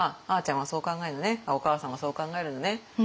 「お義母さんはそう考えるのね」